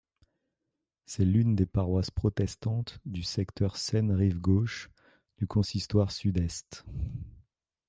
C'est l'une des paroisses protestantes du secteur Seine-Rive-Gauche du consistoire Sud-Est.